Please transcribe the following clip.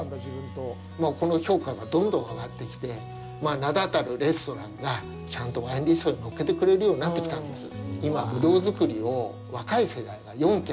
この評価がどんどん上がってきて名立たるレストランがちゃんとワインリストに載っけてくれるようになってきたんです。